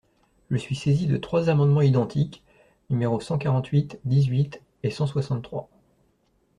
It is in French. Je suis saisie de trois amendements identiques, numéros cent quarante-huit, dix-huit et cent soixante-trois.